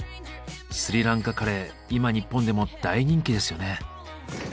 スリランカカレー今日本でも大人気ですよね。